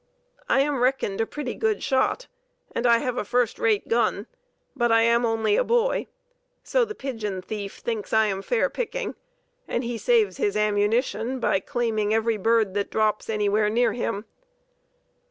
I am reckoned a pretty good shot, and I have a first rate gun, but I am only a boy, so the pigeon thief thinks I am fair picking, and he saves his ammunition by claiming every bird that drops anywhere near him.